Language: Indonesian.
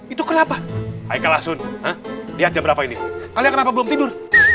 itu kenapa hai kelas untuk lihat seberapa ini kalian kenapa belum tidur